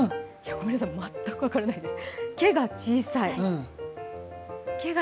ごめんなさい、全く分からないです。